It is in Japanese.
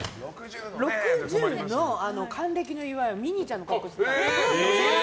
６０の還暦の祝いをミニーちゃんで祝ったの。